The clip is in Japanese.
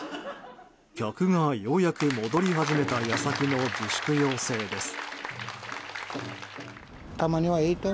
客がようやく戻り始めた矢先の自粛要請です。